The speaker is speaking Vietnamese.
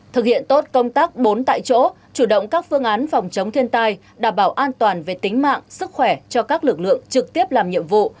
thực hiện tốt công tác bốn tại chỗ chủ động các phương án phòng chống thiên tai đảm bảo an toàn về tính mạng sức khỏe cho các lực lượng trực tiếp làm nhiệm vụ